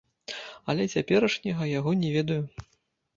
Але цяперашняга яго не ведаю.